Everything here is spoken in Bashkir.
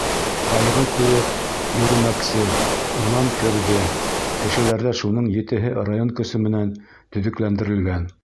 Ҡайғы күреп, Йөрөмәксе Унан керҙе КешеләрҙәШуның етеһе район көсө менән төҙөкләндерелгән.